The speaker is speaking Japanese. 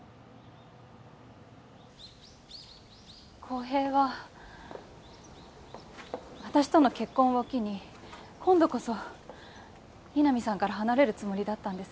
浩平は私との結婚を機に今度こそ井波さんから離れるつもりだったんです。